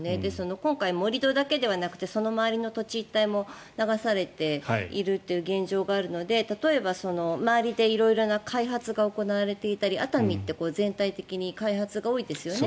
今回、盛り土だけではなくてその周りの土地一帯も流されている現状があるので例えば、周りで色々な開発が行われていたり熱海って全体的に開発が多いですよね。